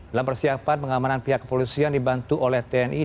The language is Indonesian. dalam persiapan pengamanan pihak kepolisian dibantu oleh tni